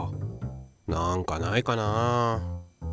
なんかないかな。